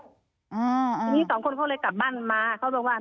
ทีนี้สองคนเขาเลยกลับบ้านมาเขาบอกว่า